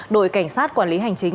đội cảnh sát quản lý hành chính